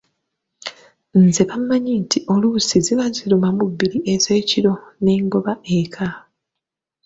Nze bammanyi nti oluusi ziba ziruma mu bbiri ez’ekiro ne ngoba eka.